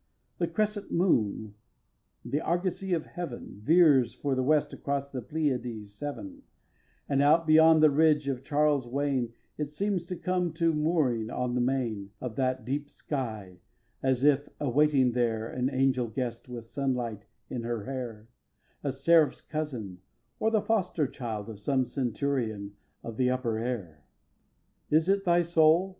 vii. The crescent moon, the Argosy of heaven, Veers for the west across the Pleïads seven, And, out beyond the ridge of Charles's Wain, It seems to come to mooring on the main Of that deep sky, as if awaiting there An angel guest with sunlight in her hair, A seraph's cousin, or the foster child Of some centurion of the upper air. viii. Is it thy soul?